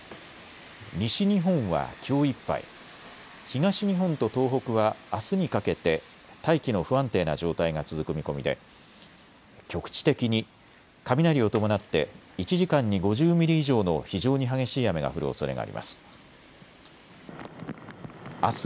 西日本はきょういっぱい、東日本と東北はあすにかけて大気の不安定な状態が続く見込みで局地的に雷を伴って１時間に５０ミリ以上の非常に激しい雨が降るおそれがあります。